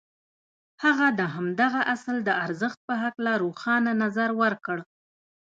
هغه د همدغه اصل د ارزښت په هکله روښانه نظر ورکړ.